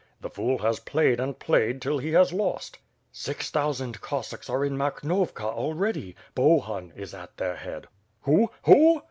.... "The fool has played and played till he has lost." Six thousand Cossacks are in Makhnovkft already. Bohun is at their head." "Who? Who?"